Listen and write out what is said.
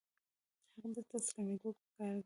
حق ته تسلیمیدل پکار دي